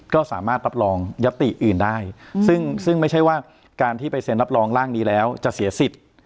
ก็สามารถรับรองยัตติอื่นได้ซึ่งไม่ใช่ว่าการที่ไปเซ็นรับรองร่างนี้แล้วจะเสียสิทธิ์